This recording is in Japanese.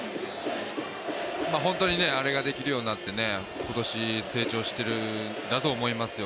本当にあれができるようになって、今年成長しているんだと思いますよ。